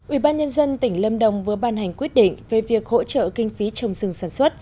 ủy ban nhân dân tỉnh lâm đồng vừa ban hành quyết định về việc hỗ trợ kinh phí trồng rừng sản xuất